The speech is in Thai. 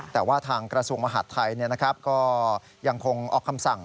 แต่ว่าทางกระทรวงมหาดไทยก็ยังคงออกคำสั่ง